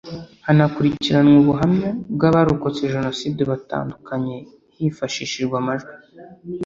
hanakurikiranwa ubuhamya bw’abarokotse Jenoside batandukanye hifashishijwe amashusho